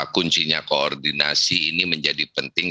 kuncinya koordinasi ini menjadi penting